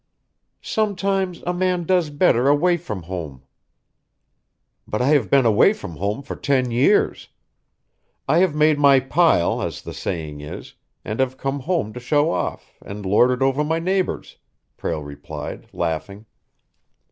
"Sometimes a man does better away from home." "But I have been away from home for ten years. I have made my pile, as the saying is, and have come home to show off and lord it over my neighbors," Prale replied, laughing.